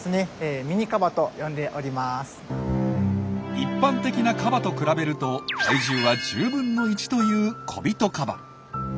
一般的なカバと比べると体重は１０分の１というコビトカバ。